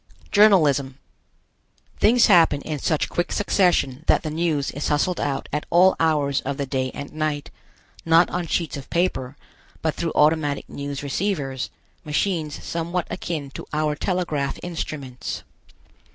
JOURNALISM. Things happen in such quick succession that the news is hustled out at all hours of the day and night; not on sheets of paper, but through automatic news receivers, machines somewhat akin to our telegraph instruments.